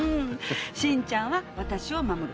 新ちゃんは私を守る。